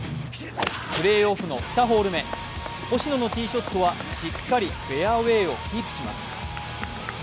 プレーオフの２ホール目、星野のティーショットはしっかりフェアウエーをキープします。